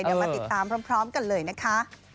เดี๋ยวมาติดตามกันเลยนะคะ